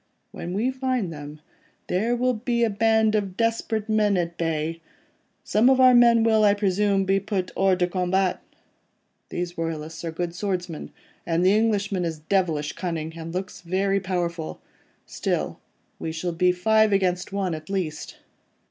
When we find them, there will be a band of desperate men at bay. Some of our men will, I presume, be put hors de combat. These royalists are good swordsmen, and the Englishman is devilish cunning, and looks very powerful. Still, we shall be five against one at least.